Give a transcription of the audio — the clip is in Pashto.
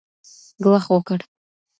ګواښ وکړ